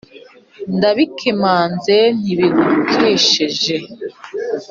Ndabikemanze ntibigukesheje